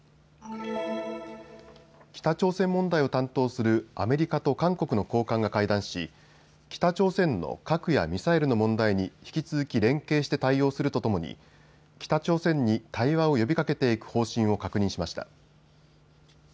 北朝鮮問題を担当するアメリカと韓国の高官が会談し北朝鮮の核やミサイルの問題に引き続き連携して対応するとともに北朝鮮に対話を呼びかけていく方針を確認しました。